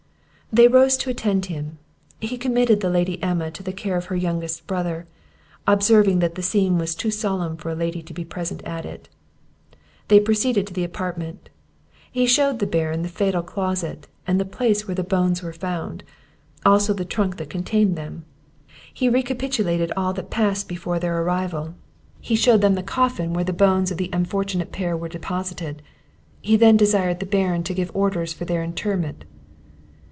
They rose to attend him; he committed the Lady Emma to the care of her youngest brother, observing that the scene was too solemn for a lady to be present at it. They proceeded to the apartment; he showed the Baron the fatal closet, and the place where the bones were found, also the trunk that contained them; he recapitulated all that passed before their arrival; he shewed them the coffin where the bones of the unfortunate pair were deposited: he then desired the Baron to give orders for their interment.